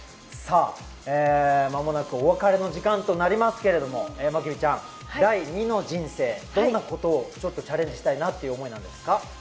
間もなく、お別れの時間となりますけれど、第２の人生、どんなことをチャレンジしたいなという思いですか？